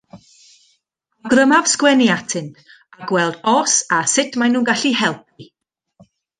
Awgrymaf sgwennu atynt a gweld os a sut maen nhw'n gallu helpu.